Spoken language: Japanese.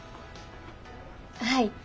はい。